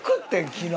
昨日。